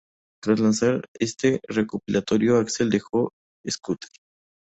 Tras lanzar este recopilatorio, Axel dejó Scooter.